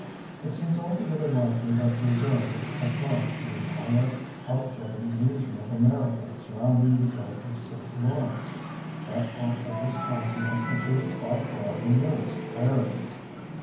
It seems altogether likely that "Brazil" was applied to the entire outjutting region of America surrounding the Gulf of St. Lawrence that part of this continent which is by far the nearest Ireland.